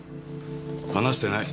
話してない。